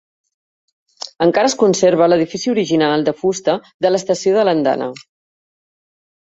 Encara es conserva l'edifici original de fusta de l'estació a l'andana.